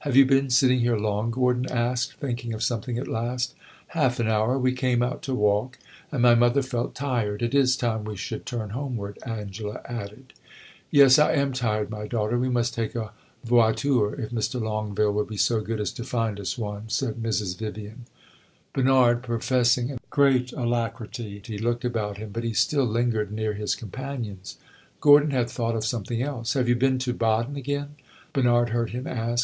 "Have you been sitting here long?" Gordon asked, thinking of something at last. "Half an hour. We came out to walk, and my mother felt tired. It is time we should turn homeward," Angela added. "Yes, I am tired, my daughter. We must take a voiture, if Mr. Longueville will be so good as to find us one," said Mrs. Vivian. Bernard, professing great alacrity, looked about him; but he still lingered near his companions. Gordon had thought of something else. "Have you been to Baden again?" Bernard heard him ask.